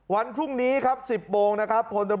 วันพรุ่งนี้ครับ๑๐โมงนะครับ